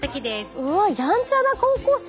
うわやんちゃな高校生？